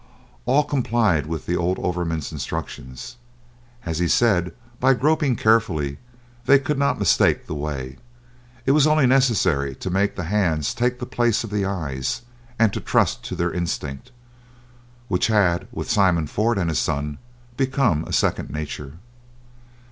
All complied with the old overman's instructions. As he said, by groping carefully, they could not mistake the way. It was only necessary to make the hands take the place of the eyes, and to trust to their instinct, which had with Simon Ford and his son become a second nature.